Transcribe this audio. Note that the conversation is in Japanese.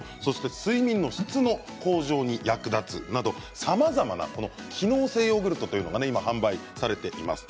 睡眠の質の向上に役立つなどさまざまな機能性ヨーグルトというのが販売されています。